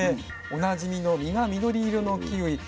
おなじみの実が緑色のキウイ。